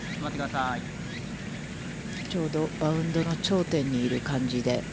ちょうどバウンドの頂点にいる感じで。